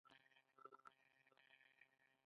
ملکه نورجهان په چارو کې ډیر واک درلود.